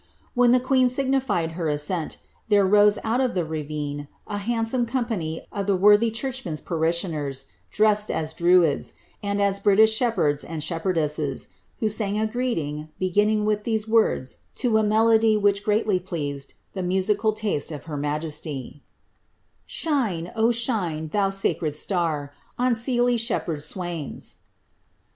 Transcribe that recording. When the queen signified her assent, there rose out of the ravine a handsome company of the worthy churchman's pa rishioners, dressed as Druids, and as British shepherds and shepherdesses, who sang a greeting, beginning with these words, to a melody which greatly pleased the musical taste of her majesty :— Sbine, oh shine, thou sacred star, On mel^ shepherd swmins!'